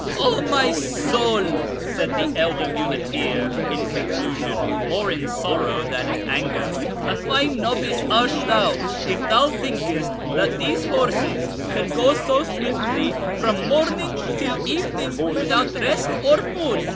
" 0, my soul !" said the elder muleteer in conclu sion, more in sorrow than in anger, " a fine novice art thou if thou thinkest that these horses can go so swiftly from morning till evening without rest or food.